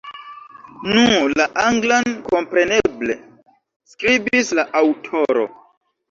Nu, la anglan, kompreneble, skribis la aŭtoro.